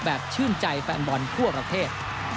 ชื่นใจแฟนบอลทั่วประเทศ